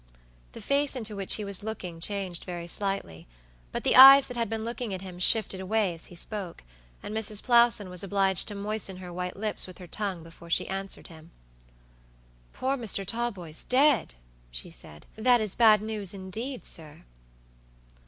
The face into which he was looking changed very slightly, but the eyes that had been looking at him shifted away as he spoke, and Mrs. Plowson was obliged to moisten her white lips with her tongue before she answered him. "Poor Mr. Talboys dead!" she said; "that is bad news indeed, sir."